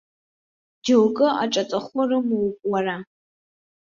Џьоукы аҿаҵахәы рымоуп уара.